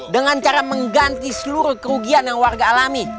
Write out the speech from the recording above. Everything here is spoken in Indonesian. dengan cara mengganti seluruh kerugian yang warga alami